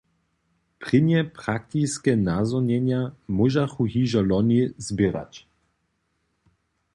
Prěnje praktiske nazhonjenja móžachu hižo loni zběrać.